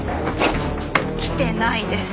来てないです。